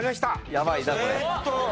やばいなこれ。